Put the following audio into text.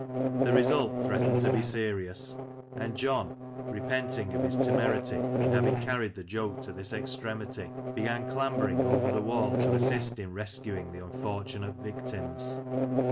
The result threatened to be serious, and John, repenting of his temerity in having carried the joke to this extremity, began clambering over the wall to assist in rescuing the unfortunate victims.